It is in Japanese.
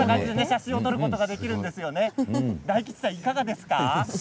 大吉さん、いかがですか。